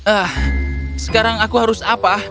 ah sekarang aku harus apa